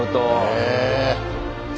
へえ。